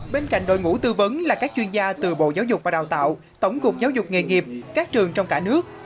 bên cạnh đội ngũ tư vấn là các chuyên gia từ bộ giáo dục và đào tạo tổng cục giáo dục nghề nghiệp các trường trong cả nước